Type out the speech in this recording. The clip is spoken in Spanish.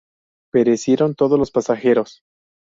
Perecieron todos los pasajeros.